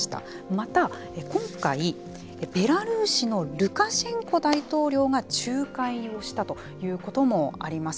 また、今回ベラルーシのルカシェンコ大統領が仲介をしたということもあります。